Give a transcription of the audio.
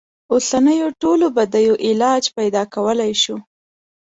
اوسنیو ټولو بدیو علاج پیدا کولای شو.